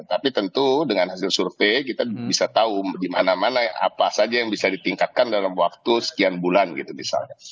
tapi tentu dengan hasil survei kita bisa tahu di mana mana apa saja yang bisa ditingkatkan dalam waktu sekian bulan gitu misalnya